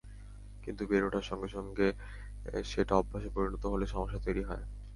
কিন্তু বেড়ে ওঠার সঙ্গে সঙ্গে সেটা অভ্যাসে পরিণত হলে সমস্যা তৈরি হয়।